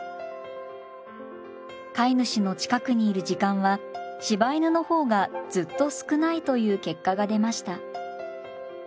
飼い主の近くにいる時間は柴犬の方がずっと少ないという結果が出ました。